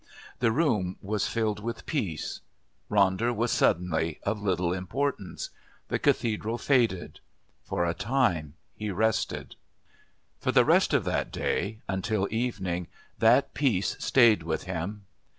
The room was filled with peace. Ronder was suddenly of little importance. The Cathedral faded. For a time he rested. For the rest of that day, until evening, that peace stayed with him.